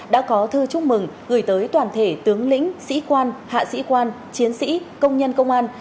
đã có thư chúc mừng gửi tới toàn thể tướng lĩnh sĩ quan hạ sĩ quan chiến sĩ công nhân công an